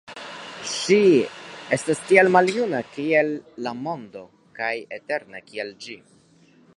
Ŝi estas tiel maljuna, kiel la mondo, kaj eterna kiel ĝi.